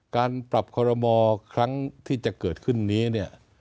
การปรับคอรมอครั้งที่จะเกิดขึ้นนี้เนี่ย